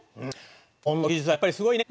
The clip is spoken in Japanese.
日本の技術はやっぱりすごいね。